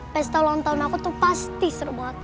pesta ulang tahun aku tuh pasti seru banget